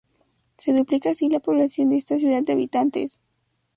Se duplica así la población de esta ciudad de habitantes.